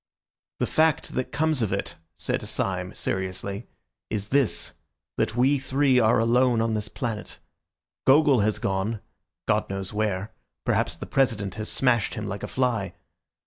"The fact that comes of it," said Syme seriously, "is this, that we three are alone on this planet. Gogol has gone, God knows where; perhaps the President has smashed him like a fly.